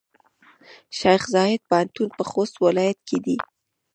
شیخزاید پوهنتون پۀ خوست ولایت کې دی.